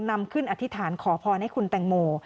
นำขึ้นอธิษฐานขอพรให้คุณแตงโม